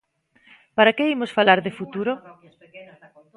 ¿Para que imos falar de futuro?